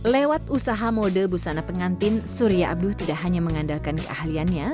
lewat usaha mode busana pengantin surya abduh tidak hanya mengandalkan keahliannya